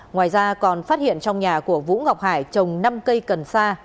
ngoài ra còn phát hiện trong nhà của vũ ngọc hải trồng năm cây cần sa